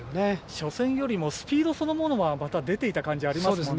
初戦よりもスピードそのものは出ていた感じありますもんね。